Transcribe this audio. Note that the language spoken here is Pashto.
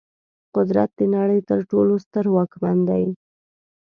قدرت د نړۍ تر ټولو ستر واکمن دی.